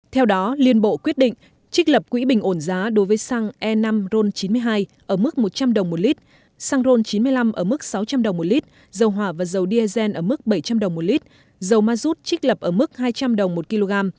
theo đó liên bộ quyết định trích lập quỹ bình ổn giá đối với xăng e năm ron chín mươi hai ở mức một trăm linh đồng một lít xăng ron chín mươi năm ở mức sáu trăm linh đồng một lít dầu hỏa và dầu diesel ở mức bảy trăm linh đồng một lít dầu ma rút trích lập ở mức hai trăm linh đồng một kg